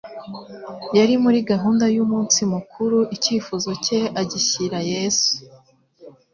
yari muri gahuruda y'umunsi mukuru; icyifuzo cye agishyira Yesu,